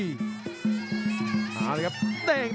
ต้องบอกว่าการชกกังวันเนี่ยหลายคนไม่ชอบครับ